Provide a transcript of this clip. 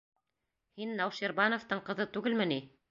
Һин Науширбановтың ҡыҙы түгелме ни?